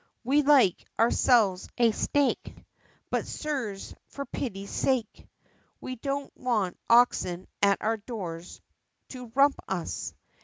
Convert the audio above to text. We like, ourselves, a steak, But, Sirs, for pity's sake! We don't want oxen at our doors to _rump us!